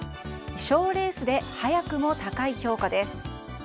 賞レースで早くも高い評価です。